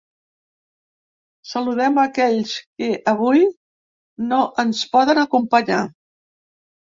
Saludem a aquells que avui no ens poden acompanyar.